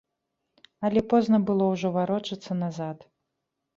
Але позна было ўжо варочацца назад.